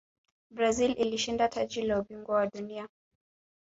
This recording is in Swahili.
brazil ilishinda taji la ubingwa wa dunia